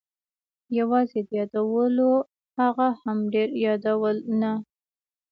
یوازې د یادولو، هغه هم ډېر یادول نه.